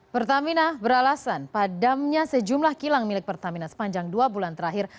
pertamina beralasan padamnya sejumlah kilang milik pertamina sepanjang dua bulan terakhir